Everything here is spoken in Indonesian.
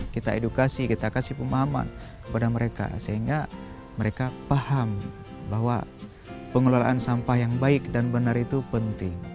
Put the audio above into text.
kita edukasi kita kasih pemahaman kepada mereka sehingga mereka paham bahwa pengelolaan sampah yang baik dan benar itu penting